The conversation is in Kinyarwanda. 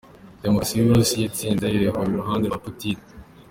Demukarasi y’ Uburusiya itsinzi ihora iruhande rwa Putin”.